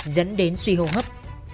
dẫn đến suy hô hấp